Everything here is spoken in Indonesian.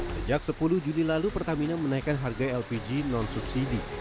sejak sepuluh juli lalu pertamina menaikkan harga lpg non subsidi